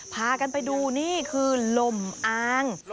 พากันไปดูนี่คือลมอาง